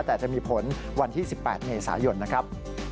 แต่จะมีผลวันที่๑๘เหตุศาสตร์ในเศรษฐ์หย่นนะครับ